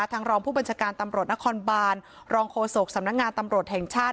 รองผู้บัญชาการตำรวจนครบานรองโฆษกสำนักงานตำรวจแห่งชาติ